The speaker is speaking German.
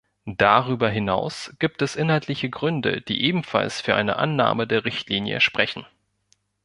Darüber hinaus gibt es inhaltliche Gründe, die ebenfalls für eine Annahme der Richtlinie sprechen.